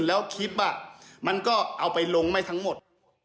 แล้วคลิปมันก็เอาไปลงไม่ทั้งหมด